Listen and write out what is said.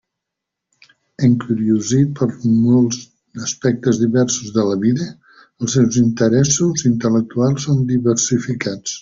Encuriosit per molts aspectes diversos de la vida, els seus interessos intel·lectuals són diversificats.